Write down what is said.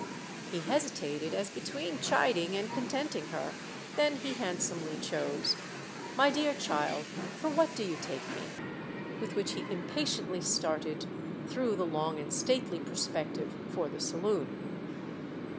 He hesitated as between chiding and contenting her—then he handsomely chose. "My dear child, for what do you take me?" With which he impatiently started, through the long and stately perspective, for the saloon.